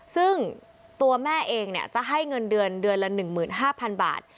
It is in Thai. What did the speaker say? ซึ่งตัวแม่เองจะให้เงินเดือนเดือนละ๑๕๐๐๐บาท